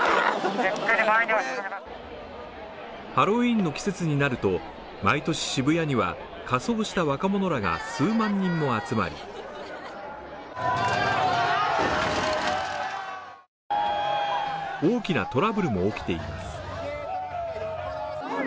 ハロウィンの季節になると毎年渋谷には仮装した若者らが数万人も集まり大きなトラブルも起きています。